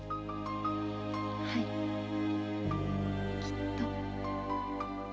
はいきっと。